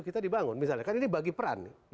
kita dibangun misalnya kan ini bagi peran nih